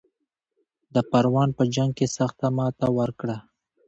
د پروان په جنګ کې سخته ماته ورکړه.